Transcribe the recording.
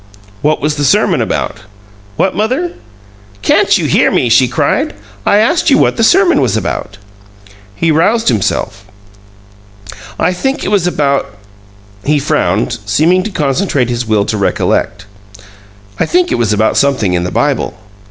"What was the sermon about?" "What, mother?" "Can't you hear me?" she cried. "I asked you what the sermon was about?" He roused himself. "I think it was about " He frowned, seeming to concentrate his will to recollect. "I think it was about something in the Bible."